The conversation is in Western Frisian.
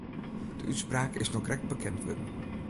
De útspraak is no krekt bekend wurden.